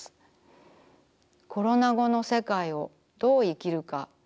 コロナ後の世界をどう生きるか。